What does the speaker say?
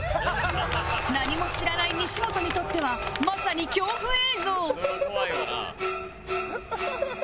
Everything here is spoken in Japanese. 何も知らない西本にとってはまさに恐怖映像